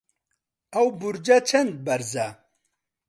ئەو بورجە چەند بەرزە؟